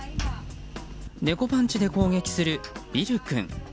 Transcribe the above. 猫パンチで攻撃するビル君。